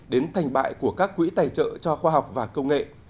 đến thành bại của các quỹ tài trợ cho khoa học và công nghệ